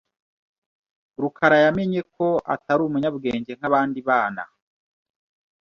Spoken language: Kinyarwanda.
Rukara yamenye ko atari umunyabwenge nkabandi bana.